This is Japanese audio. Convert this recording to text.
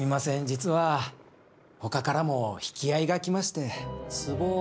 実はほかからも引き合いが来まして。